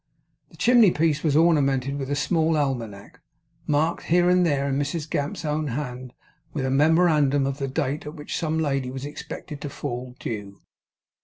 The chimney piece was ornamented with a small almanack, marked here and there in Mrs Gamp's own hand with a memorandum of the date at which some lady was expected to fall due.